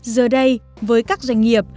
giờ đây với các doanh nghiệp